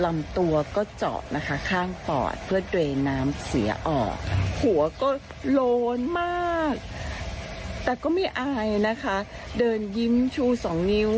้ายนะคะเดินยิ้มชู๒นิ้ว